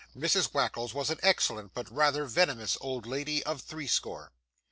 Mrs Wackles was an excellent but rather venomous old lady of three score.